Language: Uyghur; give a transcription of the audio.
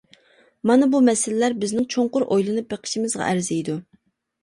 مانا بۇ مەسىلىلەر بىزنىڭ چوڭقۇر ئۆيلىنىپ بېقىشىمىزغا ئەرزىيدۇ.